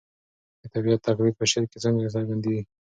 د طبیعت تقلید په شعر کې څنګه څرګندېږي؟